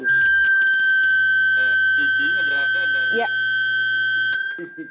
tetapi sejauh ini bisa saja masyarakat dalam pandangan pak jk